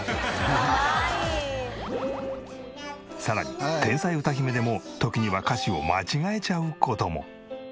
さらに天才歌姫でも時には歌詞を間違えちゃう事も。